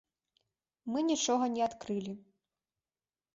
Мы нічога не адкрылі.